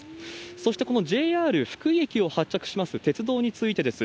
そして、このＪＲ福井駅を発着します鉄道についてです。